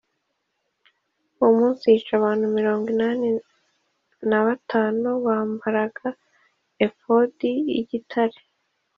Uwo munsi yica abantu mirongo inani na batanu bambaraga efodi y’igitare.